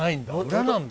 裏なんだ。